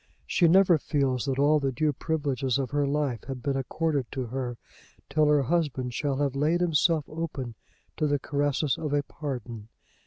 She never feels that all the due privileges of her life have been accorded to her, till her husband shall have laid himself open to the caresses of a pardon.